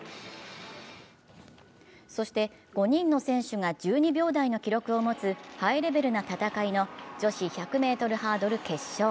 そして、５人の選手が１２秒台の記録を持つハイレベルな戦いの女子１００ｍハードル決勝。